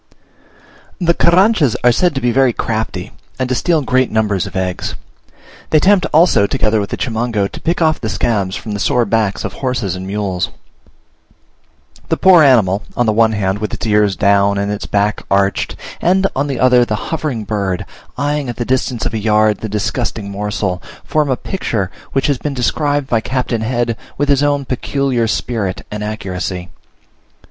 The Carranchas are said to be very crafty, and to steal great numbers of eggs. They attempt, also, together with the Chimango, to pick off the scabs from the sore backs of horses and mules. The poor animal, on the one hand, with its ears down and its back arched; and, on the other, the hovering bird, eyeing at the distance of a yard the disgusting morsel, form a picture, which has been described by Captain Head with his own peculiar spirit and accuracy.